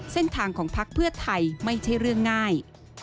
เส้นทางของพักเพื่อไทยไม่ใช่เรื่องง่าย